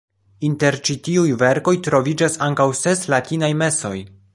Inter ĉi tiuj verkoj troviĝas ankaŭ ses latinaj mesoj.